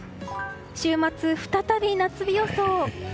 週末、再び夏日予想。